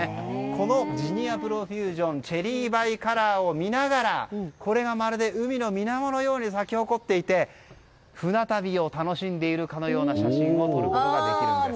このジニアプロフュージョンチェリーバイカラーを見ながらこれがまるで、海の水面のように咲き誇っていて船旅を楽しんでいるかのような写真を撮ることもできます。